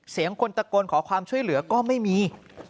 เสียงคนตะโกนขอความช่วยเหลือก็ไม่มี